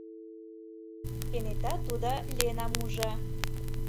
Кенета тудо Ленам ужо.